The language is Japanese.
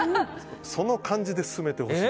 その感じで進めてほしい！